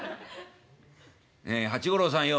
「ねえ八五郎さんよ」。